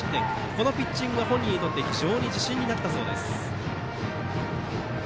このピッチングは本人にとって非常に自信になったそうです。